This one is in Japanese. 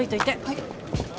はい。